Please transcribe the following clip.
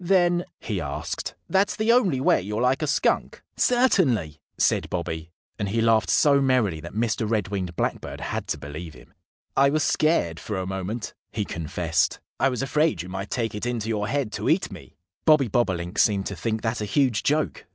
"Then," he asked, "that's the only way you're like a Skunk?" "Certainly!" said Bobby. And he laughed so merrily that Mr. Red winged Blackbird had to believe him. "I was scared, for a moment," he confessed. "I was afraid you might take it into your head to eat me." Bobby Bobolink seemed to think that a huge joke.